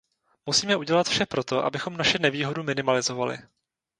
Musíme udělat vše pro to, abychom naši nevýhodu minimalizovali.